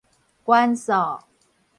關數